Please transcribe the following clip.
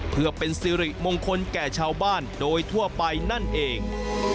เพื่อเป็นสิริมงคลแก่ชาวบ้านโดยทั่วไปนั่นเอง